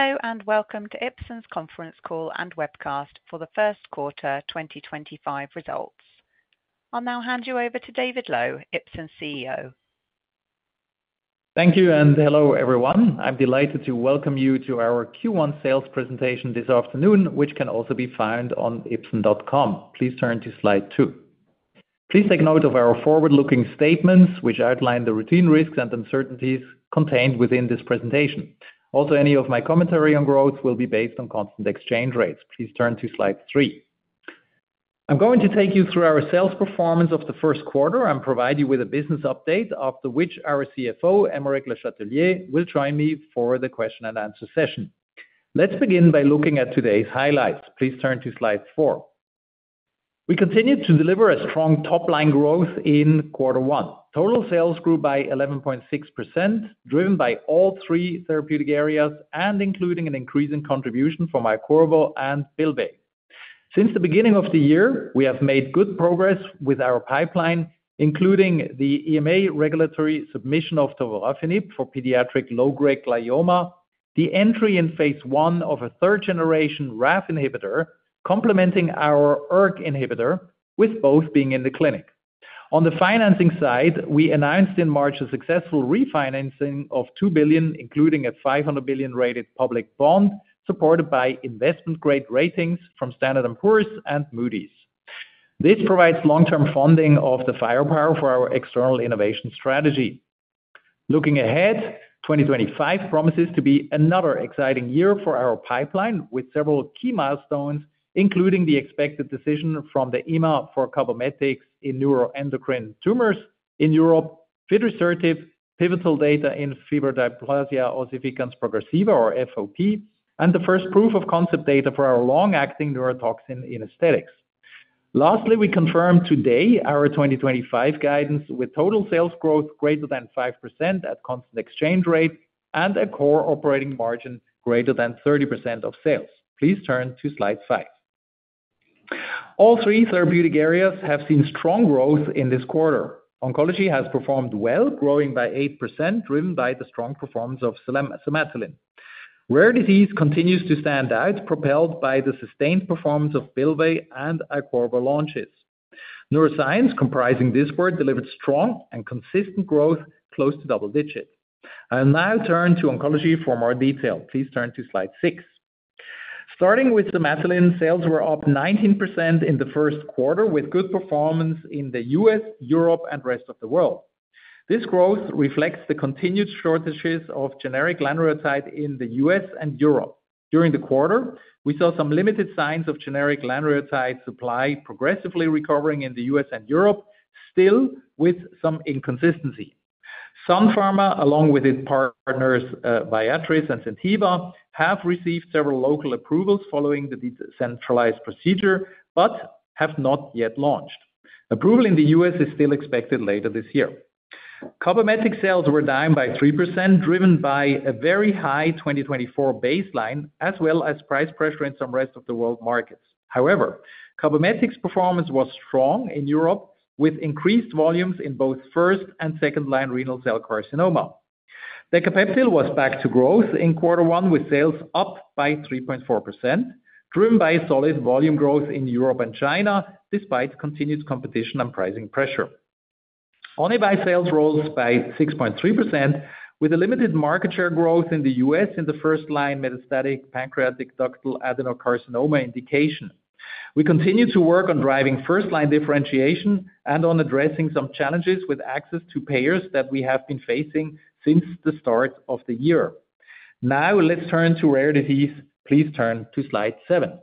Hello and welcome to Ipsen's conference call and webcast for the first quarter 2025 results. I'll now hand you over to David Loew, Ipsen CEO. Thank you and hello everyone. I'm delighted to welcome you to our Q1 sales presentation this afternoon, which can also be found on ipsen.com. Please turn to slide two. Please take note of our forward-looking statements, which outline the routine risks and uncertainties contained within this presentation. Also, any of my commentary on growth will be based on constant exchange rates. Please turn to slide three. I'm going to take you through our sales performance of the first quarter and provide you with a business update, after which our CFO, Aymeric Le Chatelier, will join me for the question and answer session. Let's begin by looking at today's highlights. Please turn to slide four. We continued to deliver a strong top-line growth in quarter one. Total sales grew by 11.6%, driven by all three therapeutic areas and including an increase in contribution from IQIRVO and Bylvay. Since the beginning of the year, we have made good progress with our pipeline, including the EMA regulatory submission of tovorafenib for pediatric low-grade glioma, the entry in phase I of a third-generation RAF inhibitor, complementing our ERK inhibitor, with both being in the clinic. On the financing side, we announced in March a successful refinancing of 2 billion, including a 500 million rated public bond supported by investment-grade ratings from Standard & Poor's and Moody's. This provides long-term funding of the firepower for our external innovation strategy. Looking ahead, 2025 promises to be another exciting year for our pipeline, with several key milestones, including the expected decision from the EMA for Cabometyx in neuroendocrine tumors in Europe, fidrisertib pivotal data in fibrodysplasia ossificans progressiva, or FOP, and the first proof-of-concept data for our long-acting neurotoxin in aesthetics. Lastly, we confirmed today our 2025 guidance with total sales growth greater than 5% at constant exchange rate and a core operating margin greater than 30% of sales. Please turn to slide five. All three therapeutic areas have seen strong growth in this quarter. Oncology has performed well, growing by 8%, driven by the strong performance of Somatuline. Rare disease continues to stand out, propelled by the sustained performance of Bylvay and IQIRVO launches. Neuroscience, comprising this quarter, delivered strong and consistent growth, close to double digits. I'll now turn to oncology for more detail. Please turn to slide six. Starting with Somatuline, sales were up 19% in the first quarter, with good performance in the U.S., Europe, and rest of the world. This growth reflects the continued shortages of generic lanreotide in the U.S. and Europe. During the quarter, we saw some limited signs of generic lanreotide supply progressively recovering in the U.S. and Europe, still with some inconsistency. Sun Pharma, along with its partners Viatris and Zentiva, have received several local approvals following the decentralized procedure but have not yet launched. Approval in the U.S. is still expected later this year. Cabometyx sales were down by 3%, driven by a very high 2024 baseline, as well as price pressure in some rest of the world markets. However, Cabometyx performance was strong in Europe, with increased volumes in both first and second-line renal cell carcinoma. Decapeptyl was back to growth in quarter one, with sales up by 3.4%, driven by solid volume growth in Europe and China, despite continued competition and pricing pressure. Onivyde sales rose by 6.3%, with a limited market share growth in the U.S. in the first-line metastatic pancreatic ductal adenocarcinoma indication. We continue to work on driving first-line differentiation and on addressing some challenges with access to payers that we have been facing since the start of the year. Now, let's turn to rare disease. Please turn to slide seven.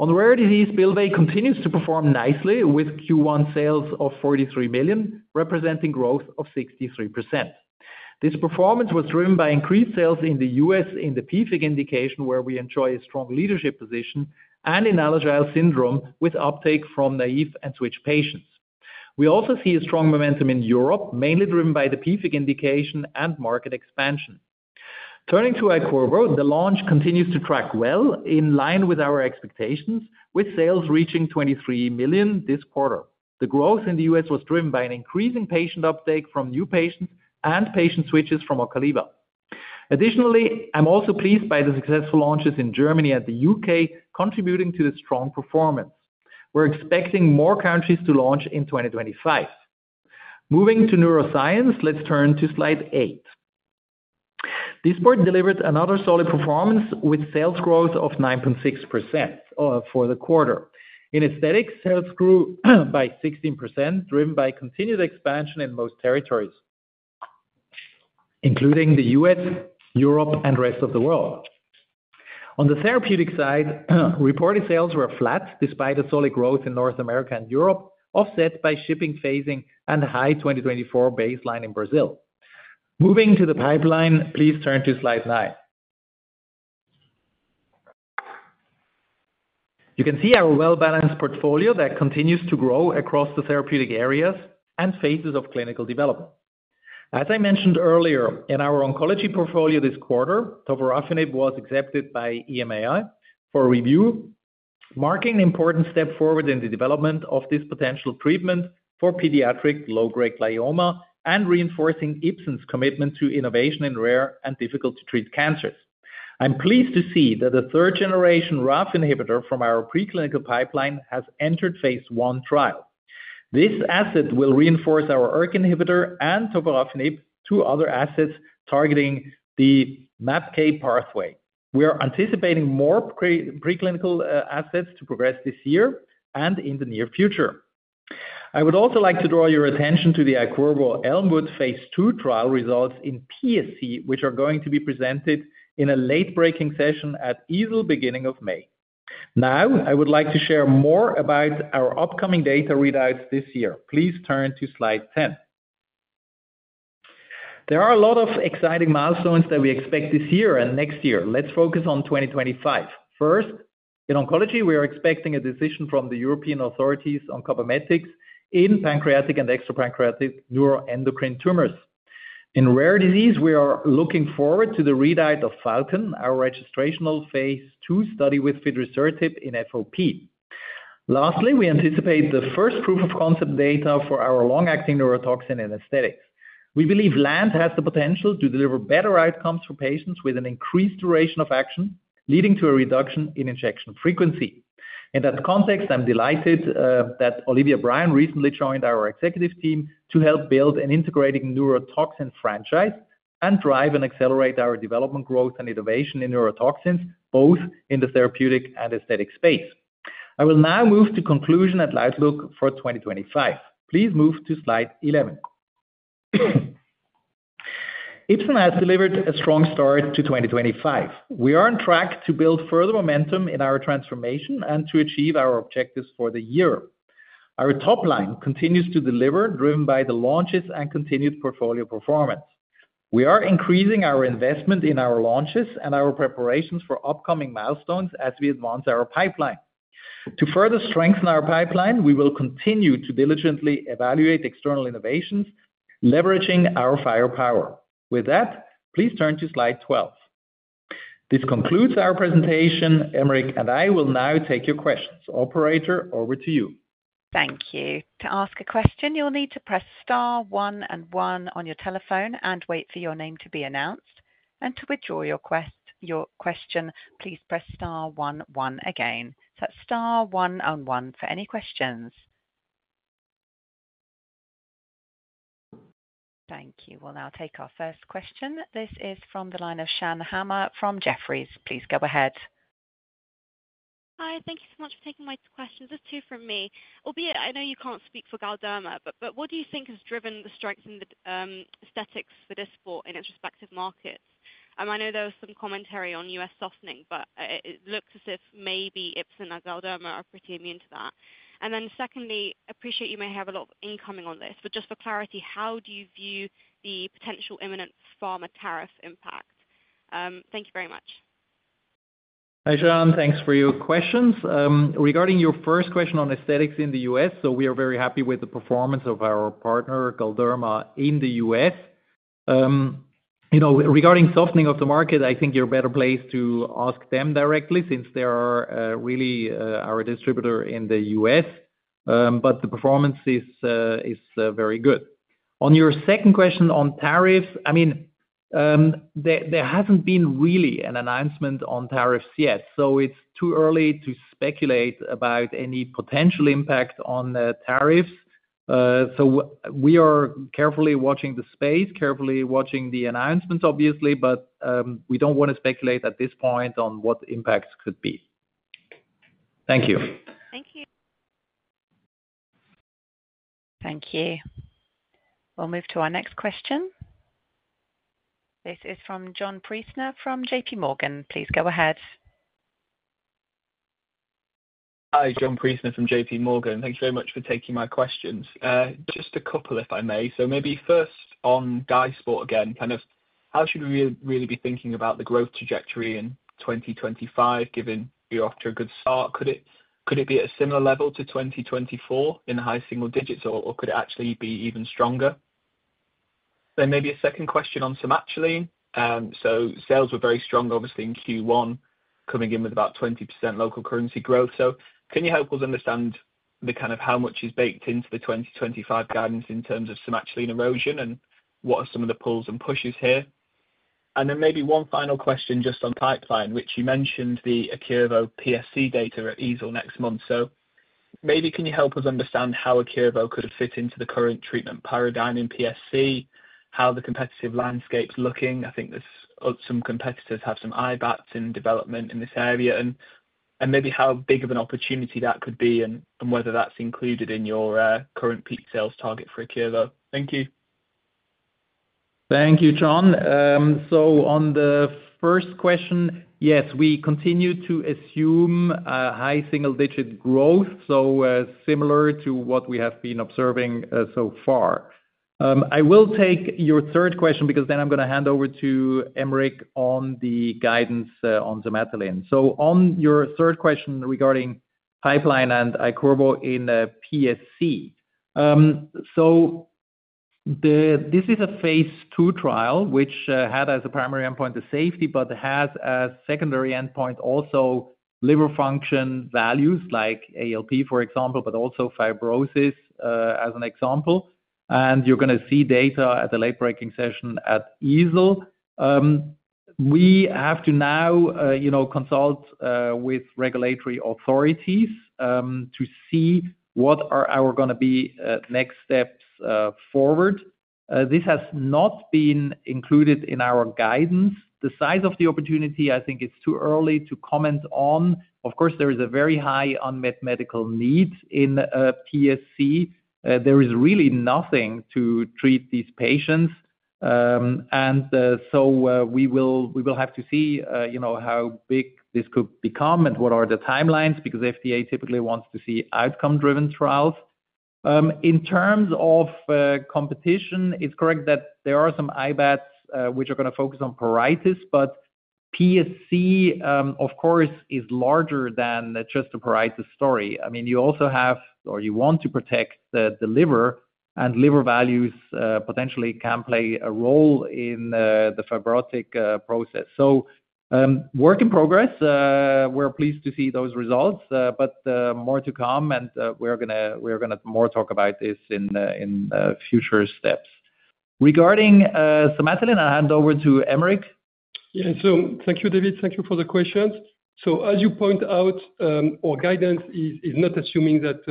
On rare disease, Bylvay continues to perform nicely, with Q1 sales of 43 million, representing growth of 63%. This performance was driven by increased sales in the U.S. in the PFIC indication, where we enjoy a strong leadership position, and in Alagille syndrome, with uptake from naive and switch patients. We also see a strong momentum in Europe, mainly driven by the PFIC indication and market expansion. Turning to IQIRVO, the launch continues to track well, in line with our expectations, with sales reaching 23 million this quarter. The growth in the U.S. was driven by an increasing patient uptake from new patients and patient switches from Ocaliva. Additionally, I'm also pleased by the successful launches in Germany and the U.K., contributing to the strong performance. We're expecting more countries to launch in 2025. Moving to neuroscience, let's turn to slide eight. This quarter delivered another solid performance, with sales growth of 9.6% for the quarter. In aesthetics, sales grew by 16%, driven by continued expansion in most territories, including the U.S., Europe, and rest of the world. On the therapeutic side, reported sales were flat, despite a solid growth in North America and Europe, offset by shipping phasing and high 2024 baseline in Brazil. Moving to the pipeline, please turn to slide nine. You can see our well-balanced portfolio that continues to grow across the therapeutic areas and phases of clinical development. As I mentioned earlier, in our Oncology portfolio this quarter, tovorafenib was accepted by EMA for review, marking an important step forward in the development of this potential treatment for pediatric low-grade glioma and reinforcing Ipsen's commitment to innovation in rare and difficult-to-treat cancers. I'm pleased to see that the third-generation RAF inhibitor from our preclinical pipeline has entered phase I trial. This asset will reinforce our ERK inhibitor and tovorafenib to other assets targeting the MAPK pathway. We are anticipating more preclinical assets to progress this year and in the near future. I would also like to draw your attention to the IQIRVO ELMWOOD phase II trial results in PSC, which are going to be presented in a late-breaking session at EASL beginning of May. Now, I would like to share more about our upcoming data readouts this year. Please turn to slide 10. There are a lot of exciting milestones that we expect this year and next year. Let's focus on 2025. First, in Oncology, we are expecting a decision from the European authorities on Cabometyx in pancreatic and extrapancreatic neuroendocrine tumors. In rare disease, we are looking forward to the readout of Falcon, our registrational phase II study with fidrisertib in FOP. Lastly, we anticipate the first proof-of-concept data for our long-acting neurotoxin in aesthetics. We believe [LAND] has the potential to deliver better outcomes for patients with an increased duration of action, leading to a reduction in injection frequency. In that context, I'm delighted that Olivia Brown recently joined our executive team to help build an integrated neurotoxin franchise and drive and accelerate our development, growth, and innovation in neurotoxins, both in the therapeutic and aesthetic space. I will now move to conclusion and light look for 2025. Please move to slide 11. Ipsen has delivered a strong start to 2025. We are on track to build further momentum in our transformation and to achieve our objectives for the year. Our top line continues to deliver, driven by the launches and continued portfolio performance. We are increasing our investment in our launches and our preparations for upcoming milestones as we advance our pipeline. To further strengthen our pipeline, we will continue to diligently evaluate external innovations, leveraging our firepower. With that, please turn to slide 12. This concludes our presentation. Aymeric and I will now take your questions. Operator, over to you. Thank you. To ask a question, you'll need to press star one and one on your telephone and wait for your name to be announced. To withdraw your question, please press star one one again. That's star one and one for any questions. Thank you. We'll now take our first question. This is from the line of Shan Hama from Jefferies. Please go ahead. Hi, thank you so much for taking my questions. There's two from me. Albeit, I know you can't speak for Galderma, but what do you think has driven the strength in the aesthetics for Dysport in its respective markets? I know there was some commentary on U.S. softening, but it looks as if maybe Ipsen and Galderma are pretty immune to that. Secondly, I appreciate you may have a lot of incoming on this, but just for clarity, how do you view the potential imminent pharma tariff impact? Thank you very much. Hi, Shan. Thanks for your questions. Regarding your first question on aesthetics in the U.S., we are very happy with the performance of our partner, Galderma, in the U.S. Regarding softening of the market, I think you're better placed to ask them directly since they are really our distributor in the U.S., but the performance is very good. On your second question on tariffs, I mean, there hasn't been really an announcement on tariffs yet, so it's too early to speculate about any potential impact on tariffs. We are carefully watching the space, carefully watching the announcements, obviously, but we don't want to speculate at this point on what impacts could be. Thank you. Thank you. Thank you. We'll move to our next question. This is from John Priestner from JPMorgan. Please go ahead. Hi, John Priestner from JPMorgan. Thanks very much for taking my questions. Just a couple, if I may. Maybe first on Dysport, again, kind of how should we really be thinking about the growth trajectory in 2025, given we're off to a good start? Could it be at a similar level to 2024 in high single digits, or could it actually be even stronger? Maybe a second question on Somatuline. Sales were very strong, obviously, in Q1, coming in with about 20% local currency growth. Can you help us understand kind of how much is baked into the 2025 guidance in terms of Somatuline erosion, and what are some of the pulls and pushes here? Maybe one final question just on pipeline, which you mentioned the IQIRVO PSC data at EASL next month. Maybe can you help us understand how IQIRVO could fit into the current treatment paradigm in PSC, how the competitive landscape's looking? I think some competitors have some IBATs in development in this area, and maybe how big of an opportunity that could be, and whether that's included in your current peak sales target for IQIRVO. Thank you. Thank you, John. On the first question, yes, we continue to assume high single-digit growth, so similar to what we have been observing so far. I will take your third question because then I'm going to hand over to Aymeric on the guidance on Somatuline. On your third question regarding pipeline and IQIRVO in PSC, this is a phase II trial, which had as a primary endpoint the safety, but has a secondary endpoint also liver function values like ALP, for example, but also fibrosis as an example. You are going to see data at the late-breaking session at EASL. We have to now consult with regulatory authorities to see what are going to be our next steps forward. This has not been included in our guidance. The size of the opportunity, I think it's too early to comment on. Of course, there is a very high unmet medical need in PSC. There is really nothing to treat these patients. We will have to see how big this could become and what are the timelines because the FDA typically wants to see outcome-driven trials. In terms of competition, it's correct that there are some IBATs which are going to focus on pruritus, but PSC, of course, is larger than just a pruritus story. I mean, you also have, or you want to protect the liver, and liver values potentially can play a role in the fibrotic process. Work in progress. We're pleased to see those results, but more to come, and we're going to more talk about this in future steps. Regarding Somatuline, I'll hand over to Aymeric. Yeah, thank you, David. Thank you for the questions. As you point out, our guidance is not assuming that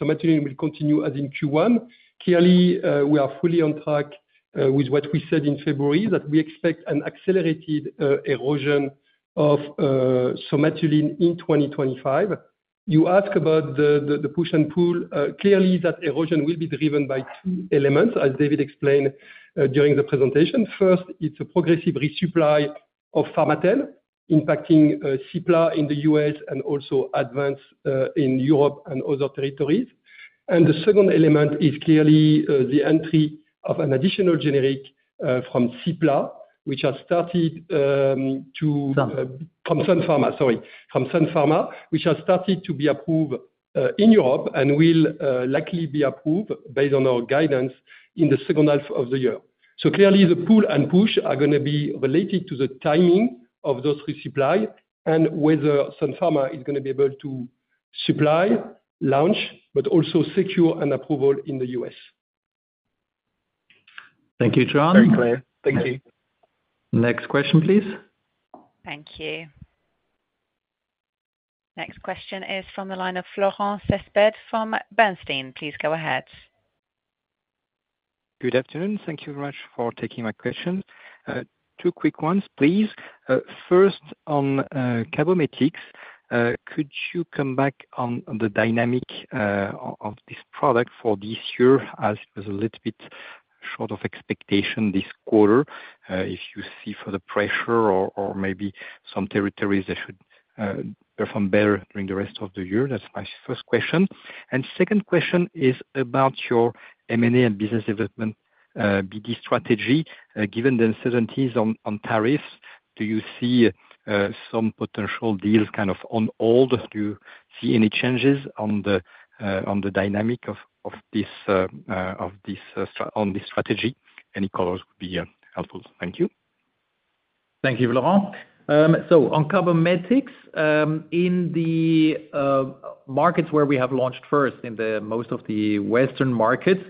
Somatuline will continue as in Q1. Clearly, we are fully on track with what we said in February that we expect an accelerated erosion of Somatuline in 2025. You ask about the push and pull. Clearly, that erosion will be driven by two elements, as David explained during the presentation. First, it is a progressive resupply of Pharmatel, impacting Cipla in the U.S. and also advanced in Europe and other territories. The second element is clearly the entry of an additional generic from Cipla, which has started to - from Sun Pharma, sorry, from Sun Pharma, which has started to be approved in Europe and will likely be approved based on our guidance in the second half of the year. Clearly, the pull and push are going to be related to the timing of those resupply and whether Sun Pharma is going to be able to supply, launch, but also secure an approval in the U.S.. Thank you, John. Very clear. Thank you. Next question, please. Thank you. Next question is from the line of Florent Cespedes from Bernstein. Please go ahead. Good afternoon. Thank you very much for taking my questions. Two quick ones, please. First, on Cabometyx, could you come back on the dynamic of this product for this year as it was a little bit short of expectation this quarter? If you see further pressure or maybe some territories that should perform better during the rest of the year, that's my first question. Second question is about your M&A and business development BD strategy. Given the uncertainties on tariffs, do you see some potential deals kind of on hold? Do you see any changes on the dynamic of this strategy? Any colors would be helpful. Thank you. Thank you, Florent. On Cabometyx, in the markets where we have launched first, in most of the Western markets,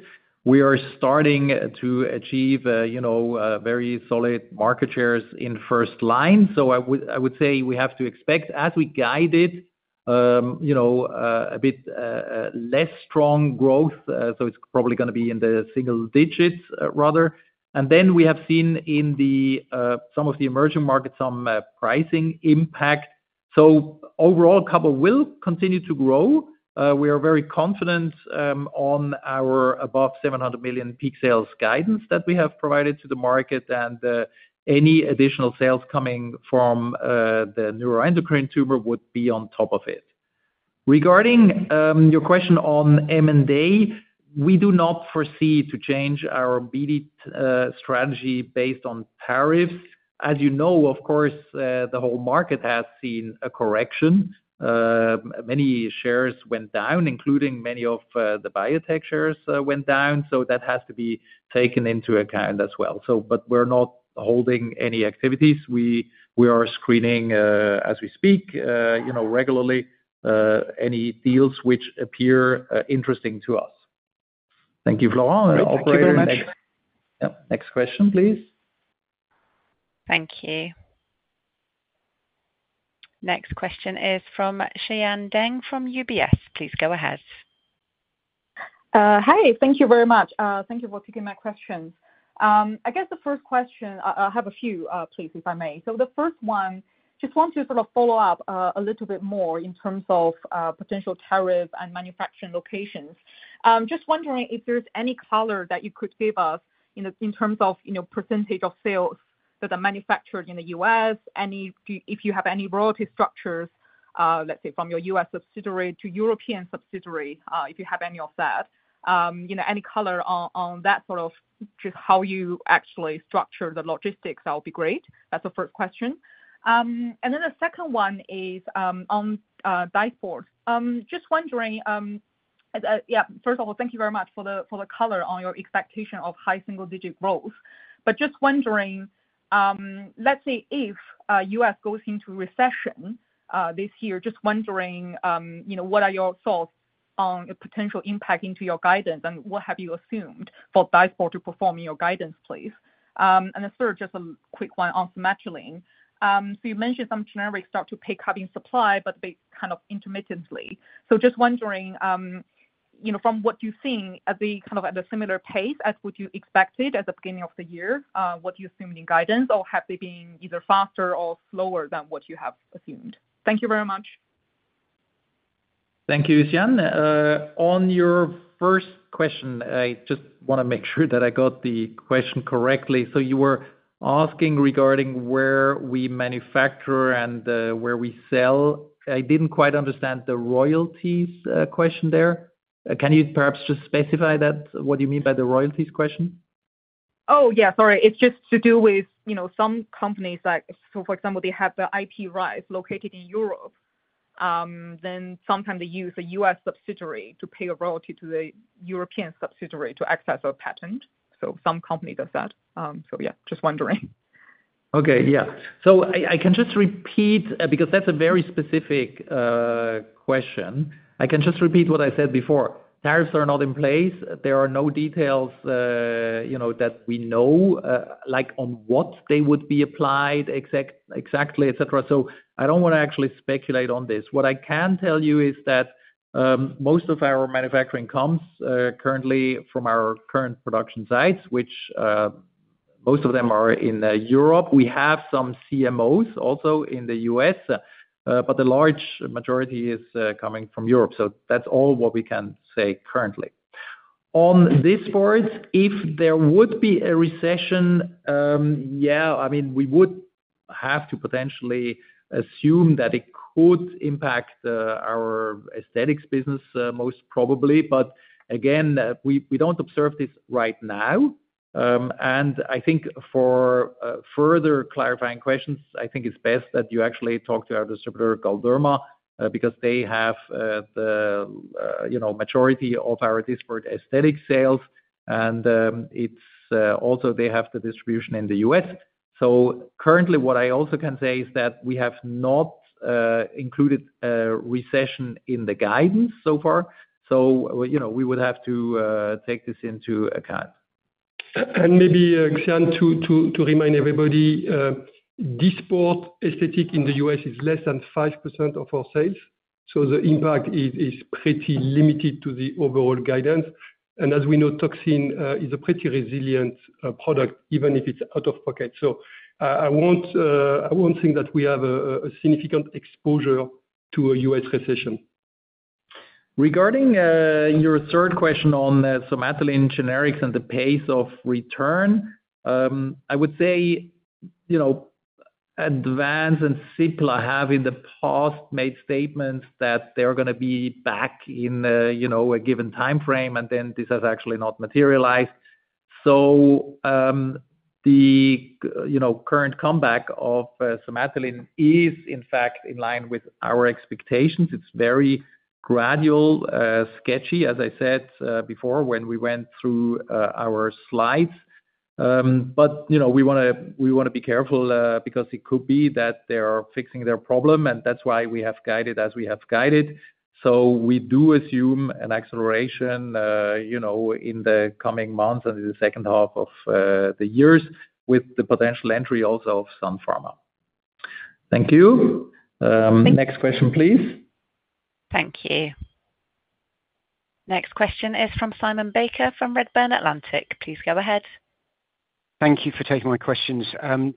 we are starting to achieve very solid market shares in first line. I would say we have to expect, as we guided, a bit less strong growth. It is probably going to be in the single digits, rather. We have seen in some of the emerging markets some pricing impact. Overall, Cabo will continue to grow. We are very confident on our above 700 million peak sales guidance that we have provided to the market, and any additional sales coming from the neuroendocrine tumor would be on top of it. Regarding your question on M&A, we do not foresee to change our BD strategy based on tariffs. As you know, of course, the whole market has seen a correction. Many shares went down, including many of the biotech shares went down. That has to be taken into account as well. We are not holding any activities. We are screening as we speak regularly any deals which appear interesting to us. Thank you, Florent. Thank you very much. Next question, please. Thank you. Next question is from Xian Deng from UBS. Please go ahead. Hi, thank you very much. Thank you for taking my questions. I guess the first question, I have a few, please, if I may. The first one, just want to sort of follow up a little bit more in terms of potential tariff and manufacturing locations. Just wondering if there's any color that you could give us in terms of percentage of sales that are manufactured in the U.S., if you have any royalty structures, let's say from your U.S. subsidiary to European subsidiary, if you have any of that. Any color on that, just how you actually structure the logistics, that would be great. That's the first question. The second one is on Dysport. Just wondering, yeah, first of all, thank you very much for the color on your expectation of high single-digit growth. Just wondering, let's say if U.S. goes into recession this year, just wondering, what are your thoughts on a potential impact into your guidance, and what have you assumed for Dysport to perform in your guidance, please? The third, just a quick one on Somatuline. You mentioned some generics start to pick up in supply, but they kind of intermittently. Just wondering, from what you've seen, are they kind of at a similar pace as what you expected at the beginning of the year? What do you assume in guidance, or have they been either faster or slower than what you have assumed? Thank you very much. Thank you, Xian. On your first question, I just want to make sure that I got the question correctly. You were asking regarding where we manufacture and where we sell. I did not quite understand the royalties question there. Can you perhaps just specify that, what you mean by the royalties question? Oh, yeah, sorry. It's just to do with some companies, for example, they have the IP rights located in Europe. Sometimes they use a U.S. subsidiary to pay a royalty to the European subsidiary to access a patent. Some company does that. Yeah, just wondering. Okay, yeah. I can just repeat because that's a very specific question. I can just repeat what I said before. Tariffs are not in place. There are no details that we know on what they would be applied exactly, etc. I don't want to actually speculate on this. What I can tell you is that most of our manufacturing comes currently from our current production sites, which most of them are in Europe. We have some CMOs also in the U.S., but the large majority is coming from Europe. That's all what we can say currently. On Dysport, if there would be a recession, yeah, I mean, we would have to potentially assume that it could impact our aesthetics business most probably. Again, we don't observe this right now. I think for further clarifying questions, I think it's best that you actually talk to our distributor, Galderma, because they have the majority of our Dysport aesthetic sales, and also they have the distribution in the U.S.. Currently, what I also can say is that we have not included recession in the guidance so far. We would have to take this into account. Maybe, Xian, to remind everybody, Dysport aesthetic in the U.S. is less than 5% of our sales. The impact is pretty limited to the overall guidance. As we know, toxin is a pretty resilient product, even if it's out of pocket. I won't think that we have a significant exposure to a U.S. recession. Regarding your third question on Somatuline generics and the pace of return, I would say Advanz and Cipla have in the past made statements that they're going to be back in a given timeframe, and then this has actually not materialized. The current comeback of Somatuline is, in fact, in line with our expectations. It's very gradual, sketchy, as I said before when we went through our slides. We want to be careful because it could be that they are fixing their problem, and that's why we have guided as we have guided. We do assume an acceleration in the coming months and in the second half of the year with the potential entry also of Sun Pharma. Thank you. Next question, please. Thank you. Next question is from Simon Baker from Redburn Atlantic. Please go ahead. Thank you for taking my questions.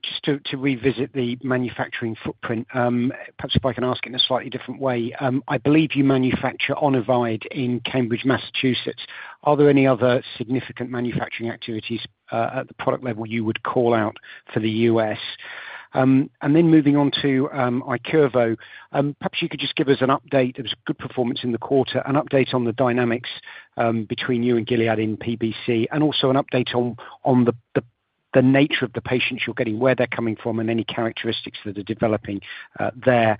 Just to revisit the manufacturing footprint, perhaps if I can ask it in a slightly different way. I believe you manufacture Onivyde in Cambridge, Massachusetts. Are there any other significant manufacturing activities at the product level you would call out for the U.S.? Moving on to IQIRVO, perhaps you could just give us an update. There was good performance in the quarter, an update on the dynamics between you and Gilead in PBC, and also an update on the nature of the patients you're getting, where they're coming from, and any characteristics that are developing there.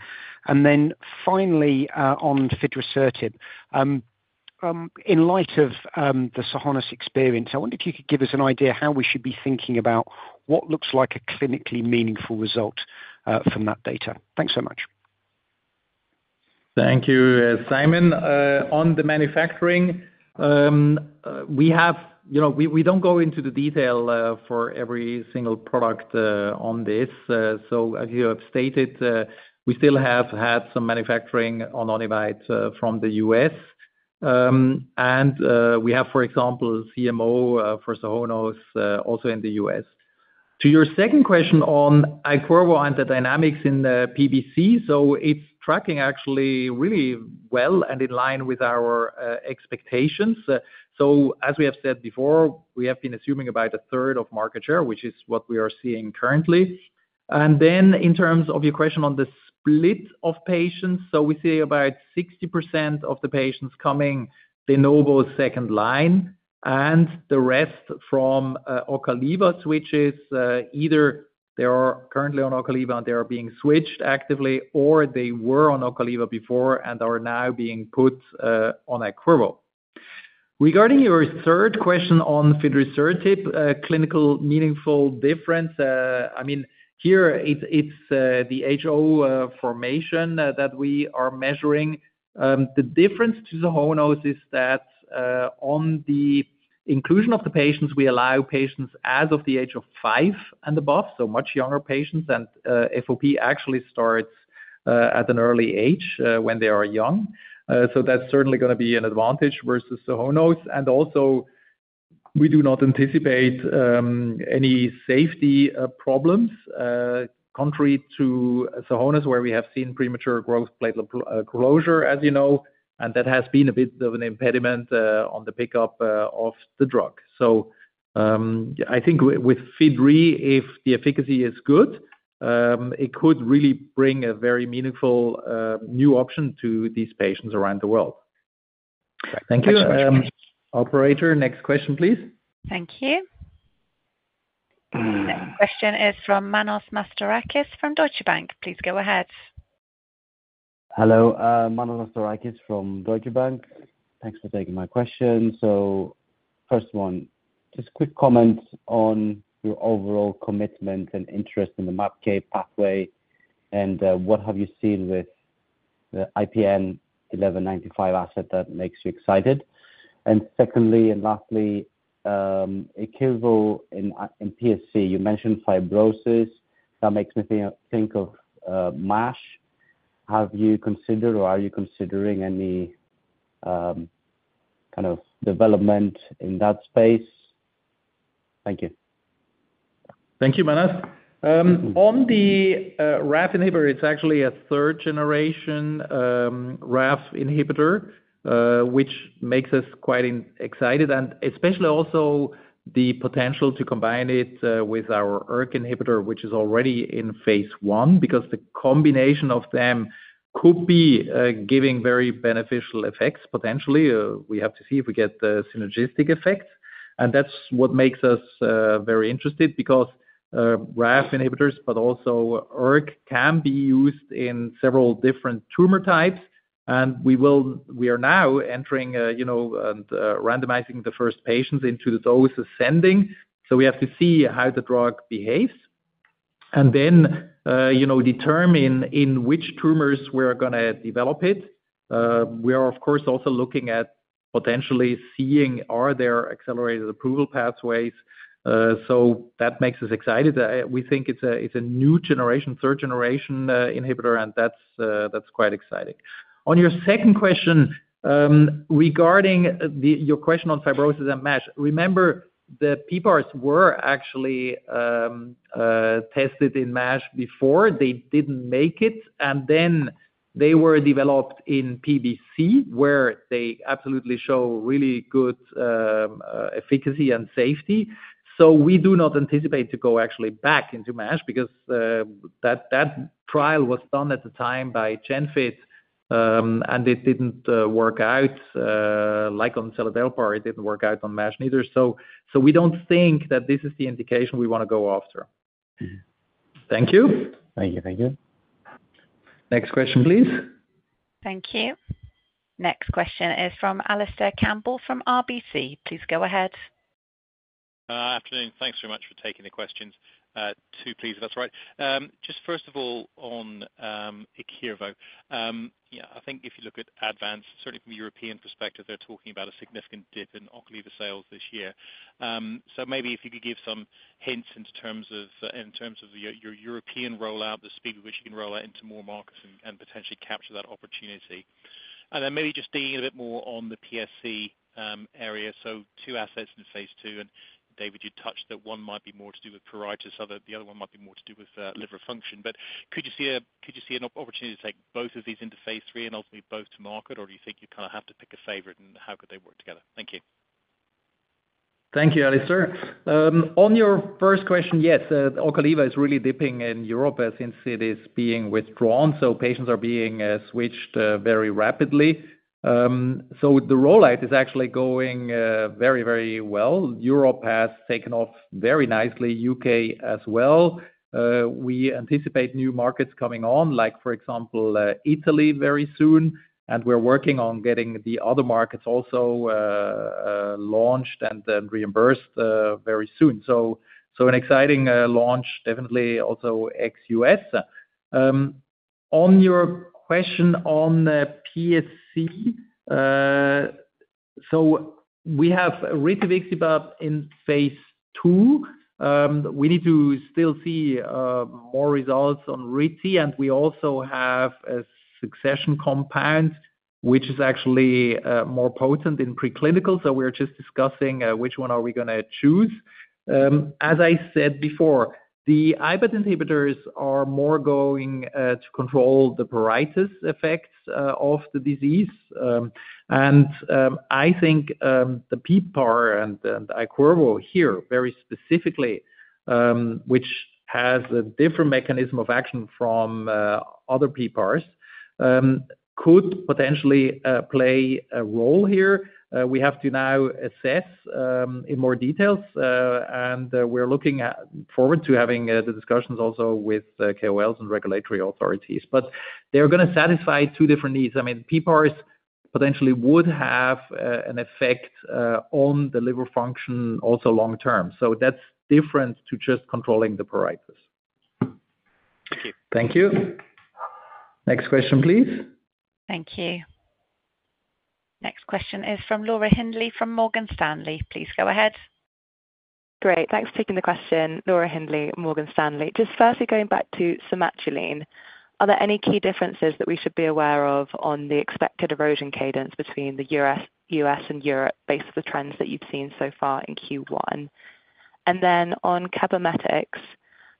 Finally, on fidrisertib, in light of the Sohonos experience, I wonder if you could give us an idea how we should be thinking about what looks like a clinically meaningful result from that data. Thanks so much. Thank you, Simon. On the manufacturing, we do not go into the detail for every single product on this. As you have stated, we still have had some manufacturing on Onivyde from the U.S., and we have, for example, CMO for Sohonos also in the U.S.. To your second question on IQIRVO and the dynamics in PBC, it is tracking actually really well and in line with our expectations. As we have said before, we have been assuming about a third of market share, which is what we are seeing currently. In terms of your question on the split of patients, we see about 60% of the patients coming de novo second line, and the rest from Ocaliva, switches. Either they are currently on Ocaliva and they are being switched actively, or they were on Ocaliva before and are now being put on IQIRVO. Regarding your third question on fidrosertib, clinical meaningful difference, I mean, here it's the HO formation that we are measuring. The difference to Sohonos is that on the inclusion of the patients, we allow patients as of the age of five and above, so much younger patients, and FOP actually starts at an early age when they are young. That's certainly going to be an advantage versus Sohonos. Also, we do not anticipate any safety problems, contrary to Sohonos, where we have seen premature growth plate closure, as you know, and that has been a bit of an impediment on the pickup of the drug. I think with fidrosertib, if the efficacy is good, it could really bring a very meaningful new option to these patients around the world. Thank you so much. Operator, next question, please. Thank you. Next question is from Manos Mastorakis from Deutsche Bank. Please go ahead. Hello, Manos Mastorakis from Deutsche Bank. Thanks for taking my question. First one, just quick comment on your overall commitment and interest in the MAPK pathway, and what have you seen with the IPN 1195 asset that makes you excited? Secondly, and lastly, IQIRVO in PSC, you mentioned fibrosis. That makes me think of MASH. Have you considered or are you considering any kind of development in that space? Thank you. Thank you, Manas. On the RAF inhibitor, it's actually a third-generation RAF inhibitor, which makes us quite excited, and especially also the potential to combine it with our ERK inhibitor, which is already in phase one, because the combination of them could be giving very beneficial effects potentially. We have to see if we get the synergistic effect. That is what makes us very interested because RAF inhibitors, but also ERK, can be used in several different tumor types. We are now entering and randomizing the first patients into the dose ascending. We have to see how the drug behaves and then determine in which tumors we're going to develop it. We are, of course, also looking at potentially seeing, are there accelerated approval pathways? That makes us excited. We think it's a new generation, third-generation inhibitor, and that's quite exciting. On your second question, regarding your question on fibrosis and MASH, remember the PPARs were actually tested in MASH before. They didn't make it, and then they were developed in PBC, where they absolutely show really good efficacy and safety. We do not anticipate to go actually back into MASH because that trial was done at the time by Genfit, and it didn't work out. Like on Seladelpar, it didn't work out on MASH neither. We don't think that this is the indication we want to go after. Thank you. Thank you. Thank you. Next question, please. Thank you. Next question is from Alistair Campbell from RBC. Please go ahead. Afternoon. Thanks very much for taking the questions. Two, please, if that's all right. Just first of all, on IQIRVO, I think if you look at Advanz, certainly from a European perspective, they're talking about a significant dip in Ocaliva sales this year. Maybe if you could give some hints in terms of your European rollout, the speed with which you can roll out into more markets and potentially capture that opportunity. Maybe just digging a bit more on the PSC area. Two assets in phase II, and David, you touched that one might be more to do with pruritus. The other one might be more to do with liver function. Could you see an opportunity to take both of these into phase three and ultimately both to market, or do you think you kind of have to pick a favorite, and how could they work together? Thank you. Thank you, Alistair. On your first question, yes, Ocaliva is really dipping in Europe since it is being withdrawn, so patients are being switched very rapidly. The rollout is actually going very, very well. Europe has taken off very nicely. U.K. as well. We anticipate new markets coming on, like for example, Italy very soon, and we are working on getting the other markets also launched and reimbursed very soon. An exciting launch, definitely also ex-U.S. On your question on PSC, we have ritivixiba in phase II. We need to still see more results on riti, and we also have a succession compound, which is actually more potent in preclinical. We are just discussing which one we are going to choose. As I said before, the IBAT inhibitors are more going to control the pruritus effects of the disease. I think the PPAR and IQIRVO here, very specifically, which has a different mechanism of action from other PPARs, could potentially play a role here. We have to now assess in more detail, and we're looking forward to having the discussions also with KOLs and regulatory authorities. They're going to satisfy two different needs. I mean, PPARs potentially would have an effect on the liver function also long term. That's different to just controlling the pruritus. Thank you. Thank you. Next question, please. Thank you. Next question is from Laura Hindley from Morgan Stanley. Please go ahead. Great. Thanks for taking the question, Laura Hindley at Morgan Stanley. Just firstly, going back to Somatuline, are there any key differences that we should be aware of on the expected erosion cadence between the U.S. and Europe based on the trends that you've seen so far in Q1? Then on Cabometyx,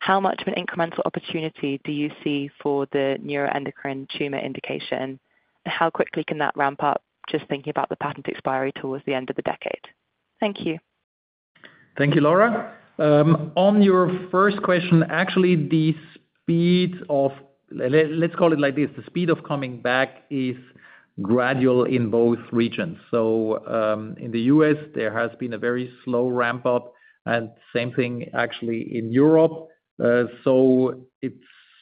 how much of an incremental opportunity do you see for the neuroendocrine tumor indication, and how quickly can that ramp up, just thinking about the patent expiry towards the end of the decade? Thank you. Thank you, Laura. On your first question, actually, the speed of, let's call it like this, the speed of coming back is gradual in both regions. In the U.S., there has been a very slow ramp-up, and same thing actually in Europe. It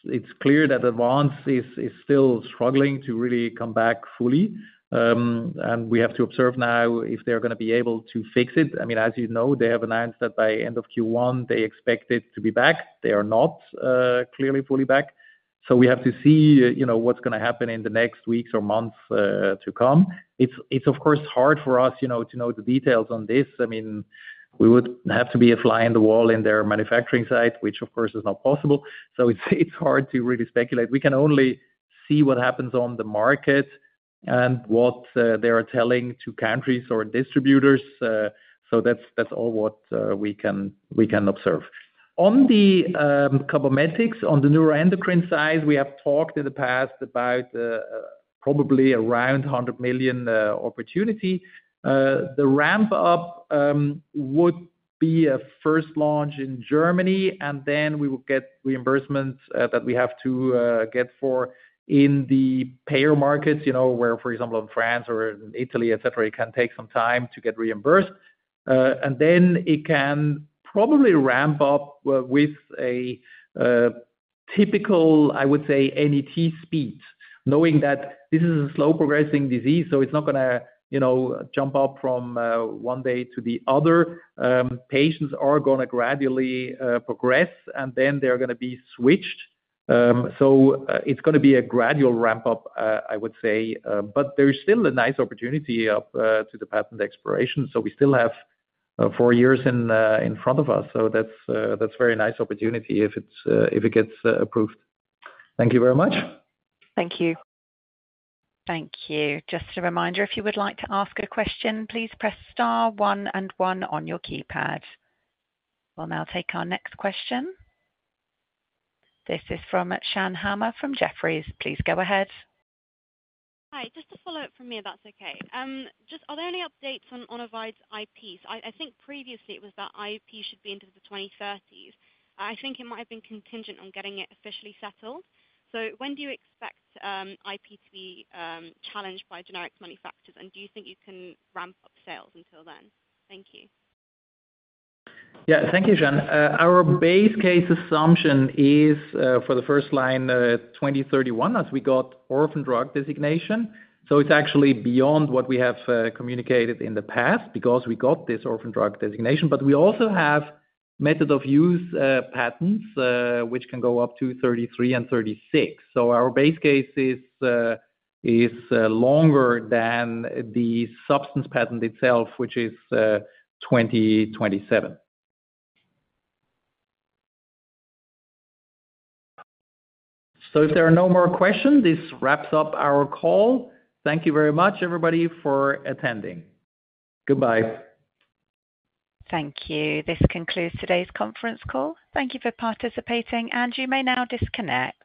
is clear that Advanz is still struggling to really come back fully, and we have to observe now if they're going to be able to fix it. I mean, as you know, they have announced that by end of Q1, they expect it to be back. They are not clearly fully back. We have to see what's going to happen in the next weeks or months to come. It is, of course, hard for us to know the details on this. I mean, we would have to be a fly in the wall in their manufacturing site, which, of course, is not possible. It's hard to really speculate. We can only see what happens on the market and what they are telling to countries or distributors. That's all we can observe. On the Cabometyx, on the neuroendocrine side, we have talked in the past about probably around 100 million opportunity. The ramp-up would be a first launch in Germany, and then we will get reimbursements that we have to get for in the payer markets, where, for example, in France or in Italy, etc., it can take some time to get reimbursed. It can probably ramp up with a typical, I would say, NET speed, knowing that this is a slow-progressing disease, so it's not going to jump up from one day to the other. Patients are going to gradually progress, and then they're going to be switched. It is going to be a gradual ramp-up, I would say. There is still a nice opportunity to the patent expiration. We still have four years in front of us. That is a very nice opportunity if it gets approved. Thank you very much. Thank you. Thank you. Just a reminder, if you would like to ask a question, please press star one and one on your keypad. We'll now take our next question. This is from Shan Hama from Jefferies. Please go ahead. Hi, just a follow-up from me if that's okay. Are there any updates on Onivyde's IP? I think previously it was that IP should be into the 2030s. I think it might have been contingent on getting it officially settled. When do you expect IP to be challenged by generic manufacturers, and do you think you can ramp up sales until then? Thank you. Yeah, thank you, Shan. Our base case assumption is for the first line 2031, as we got orphan drug designation. It is actually beyond what we have communicated in the past because we got this orphan drug designation. We also have method-of-use patents, which can go up to 2033 and 2036. Our base case is longer than the substance patent itself, which is 2027. If there are no more questions, this wraps up our call. Thank you very much, everybody, for attending. Goodbye. Thank you. This concludes today's conference call. Thank you for participating, and you may now disconnect.